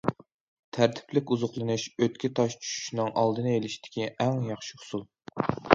تەرتىپلىك ئوزۇقلىنىش ئۆتكە تاش چۈشۈشنىڭ ئالدىنى ئېلىشتىكى ئەڭ ياخشى ئۇسۇل.